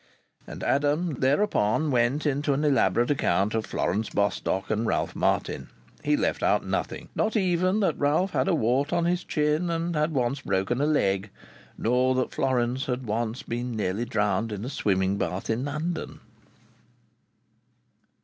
And Adam thereupon went into an elaborate account of Florence Bostock and Ralph Martin. He left out nothing, not even that Ralph had a wart on his chin, and had once broken a leg; nor that Florence had once been nearly drowned in a swimming bath in London.